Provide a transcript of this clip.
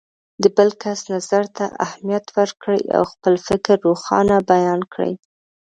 د بل کس نظر ته اهمیت ورکړئ او خپل فکر روښانه بیان کړئ.